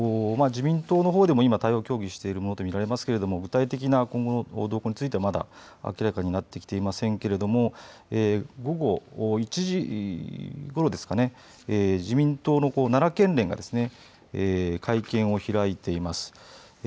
自民党のほうでも今、対応を協議しているものと見られますが具体的な今後の動向についてはまだ明らかになっていませんけれども、午後１時ごろ、自民党の奈良県連が会見を開いています。